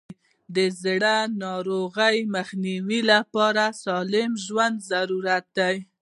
د زړه ناروغیو مخنیوي لپاره سالم ژوند ضروري دی.